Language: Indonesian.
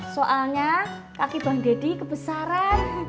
soalnya kaki bang deddy kebesaran